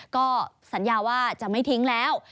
ก็สัญญาว่าจะไม่ทิ้งแล้ว